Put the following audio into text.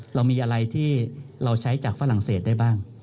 เรามีอะไรที่เราใช้จากฝรั่งเศสได้บ้าง